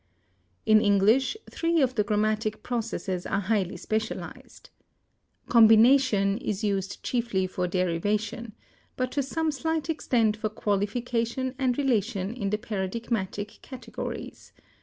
In English, three of the grammatic processes are highly specialized. Combination is used chiefly for derivation, but to some slight extent for qualification and relation in the paradigmatic categories.